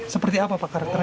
seperti apa pak karakternya